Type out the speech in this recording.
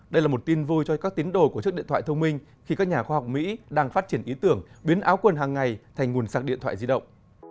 đây là một tin vui cho các tín đồ của chiếc điện thoại thông minh khi các nhà khoa học mỹ đang phát triển ý tưởng biến áo quần hàng ngày thành nguồn sạc điện thoại di động